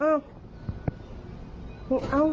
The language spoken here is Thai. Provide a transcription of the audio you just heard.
อ้าวแค่ไหม